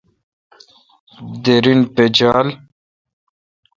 درین پیڄھال۔